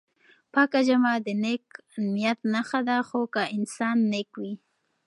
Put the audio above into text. پاکه جامه د نېک نیت نښه ده خو که انسان نېک وي.